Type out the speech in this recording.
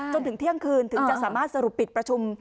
จนถึงเที่ยงคืนถึงจะสามารถสรุปปิดประชุม